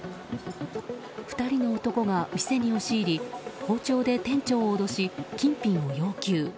２人の男が店に押し入り包丁で店長を脅し金品を要求。